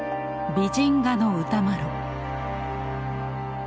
美人画の歌麿。